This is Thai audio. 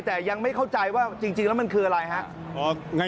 แต่ยังไม่เข้าใจว่าจริงแล้วมันคืออะไรฮะ